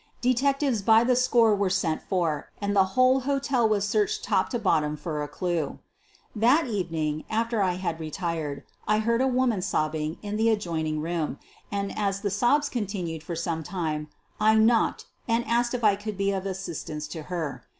Detectives by the score were sent for and the whole hotel was searched top and bottom for a clew. That evening, after I had retired, I heard a woman sobbing in the adjoining room, and, as the sobs con tinued for some time, I knocked and asked if I could be of assistance to her.